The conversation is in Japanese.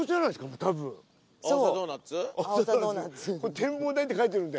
「展望台」って書いてるんで。